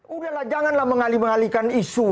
udahlah janganlah mengalih mengalihkan isu